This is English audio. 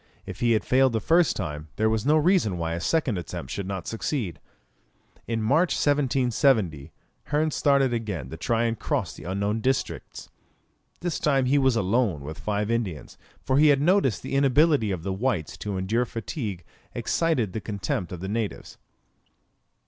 If he had failed the first time, that was no reason why a second attempt should not succeed. In March, 1770, Hearn started again to try and cross the unknown districts. This time he was alone with five Indians, for he had noticed that the inability of the whites to endure fatigue excited the contempt of the natives.